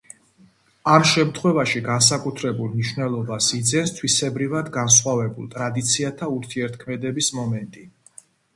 ამ შემთხვევაში განსაკუთრებულ მნიშვნელობას იძენს თვისებრივად განსხვავებულ ტრადიციათა ურთიერთქმედების მომენტი.